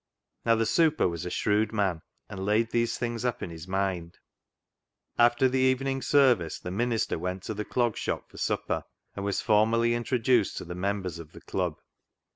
Now the"sup(M" was a shiewd m. in, and laid these thiin^s U|i m hp. iiiuul. Altei the evening service the minister went to (he I'lo:; Shop lor Slipper, and w.is lormally intioduceil to the UKinbeis ot the I'lub.